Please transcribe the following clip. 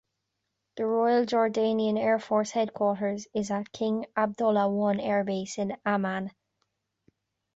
The Royal Jordanian Air Force Headquarters is at King Abdullah I Airbase in Amman.